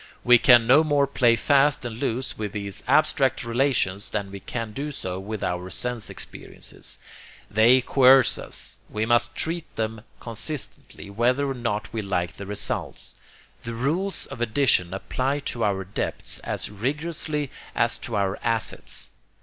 We can no more play fast and loose with these abstract relations than we can do so with our sense experiences. They coerce us; we must treat them consistently, whether or not we like the results. The rules of addition apply to our debts as rigorously as to our assets.